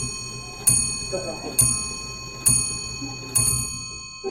wenye elimuWawe tayari kujibu maswali yao juu ya Injili hata kutetea